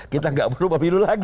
kita tidak perlu pemilu lagi